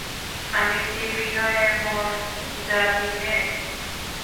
আমি কি বিনয়ের মন জানি নে!